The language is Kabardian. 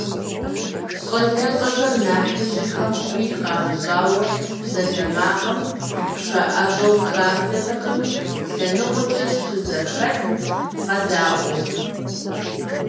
ЩӀалэщӀэхэр нэхъыжьхэм хуит къамыщӀауэ псалъэмакъым хэӀэбэу хабзэтэкъыми, лъэныкъуэкӀэ щызэхэтт, къэдаӀуэу.